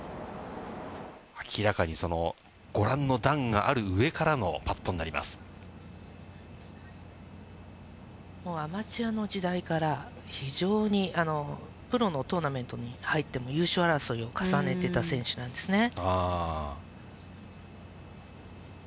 明らかにそのご覧の段があるもうアマチュアの時代から、非常にプロのトーナメントに入っても優勝争いを重ねてた選手なんですね。